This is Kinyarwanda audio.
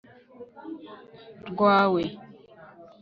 rwawe